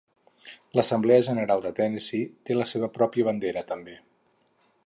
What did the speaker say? L'Assemblea General de Tennessee té la seva pròpia bandera també.